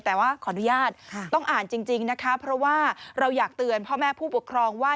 แต่ว่าขออนุญาตต้องอ่านจริงนะคะเพราะว่าเราอยากเตือนพ่อแม่ผู้ปกครองว่า